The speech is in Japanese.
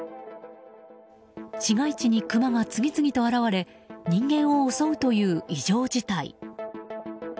市街地にクマが次々と現れ人間を襲うという異常事態。